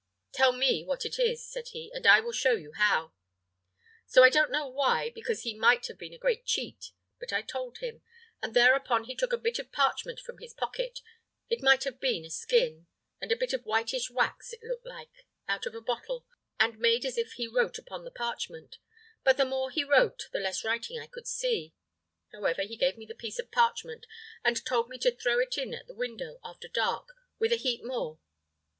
'Tell me what it is,' said he, 'and I will show you how.' So I don't know why, because he might have been a great cheat, but I told him; and thereupon he took a bit of parchment from his pocket, it might be half a skin, and a bit of whitish wax it looked like, out of a bottle, and made as if he wrote upon the parchment; but the more he wrote the less writing I could see. However, he gave me the piece of parchment, and told me to throw it in at the window after dark, with a heap more.